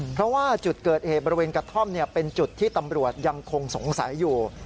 เพราะว่าจุดเกิดเหตุบริเวณกระท่อมเป็นจุดที่ตำรวจยังคงสงสัยอยู่